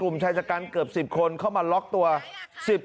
อำเภอโพธาราม